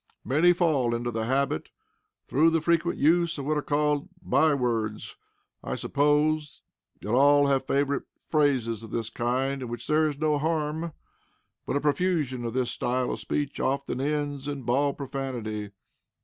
Many fall into this habit through the frequent use of what are called by words. I suppose that all have favorite phrases of this kind in which there is no harm; but a profusion of this style of speech often ends in bald profanity.